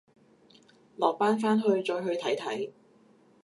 落班翻去再去睇睇